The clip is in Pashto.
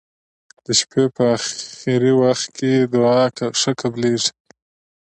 د شپي په اخرې وخت کې دعا ښه قبلیږی.